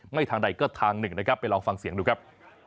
ง่ายทางใดก็ทางหนึ่งลองฟังเสียงดูครับ